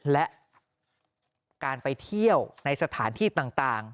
และการไปเที่ยวในสถานที่ต่าง